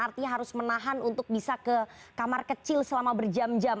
artinya harus menahan untuk bisa ke kamar kecil selama berjam jam